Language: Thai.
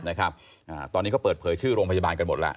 นะครับอ่าตอนนี้เขาเปิดเผยชื่อโรงพยาบาลกันหมดแล้ว